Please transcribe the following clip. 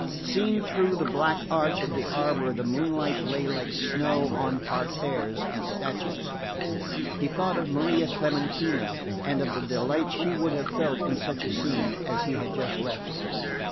Seen through the black arch of the arbour the moonlight lay like snow on parterres and statues. He thought of Maria Clementina, and of the delight she would have felt in such a scene as he had just left.